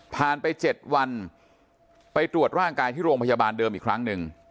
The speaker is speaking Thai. ไป๗วันไปตรวจร่างกายที่โรงพยาบาลเดิมอีกครั้งหนึ่ง